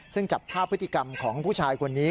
ซึ่งจับภาพพฤติกรรมของผู้ชายคนนี้